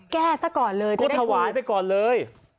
แก้ซะก่อนเลยก็ถวายไปก่อนเลย